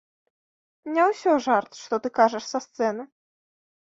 Не ўсё жарт, што ты кажаш са сцэны?